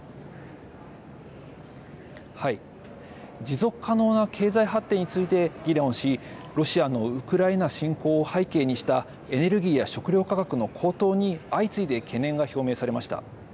持続可能な経済発展について議論しロシアのウクライナ侵攻を背景にしたエネルギーや食料価格の高騰に相次いで懸念が表明されました。